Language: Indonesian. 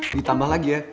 ditambah lagi ya